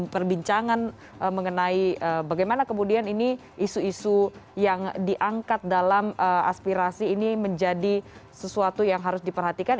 perbincangan mengenai bagaimana kemudian ini isu isu yang diangkat dalam aspirasi ini menjadi sesuatu yang harus diperhatikan